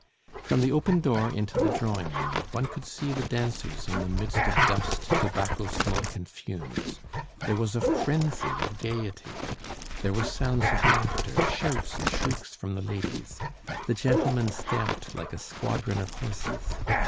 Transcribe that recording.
From the open door into the drawing room one could see the dancers in the midst of dust, tobacco smoke and fumes. There was a frenzy of gaiety. There were sounds of laughter, shouts and shrieks from the ladies. The gentlemen stamped like a squadron of horses.